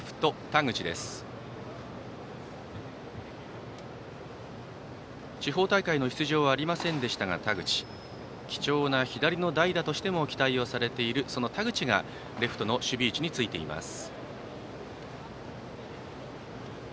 田口は地方大会の出場はありませんでしたが貴重な左の代打としても期待をされている田口がレフトの守備位置についています。